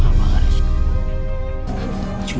abang harus jujur